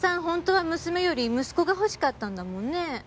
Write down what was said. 本当は娘より息子が欲しかったんだもんね。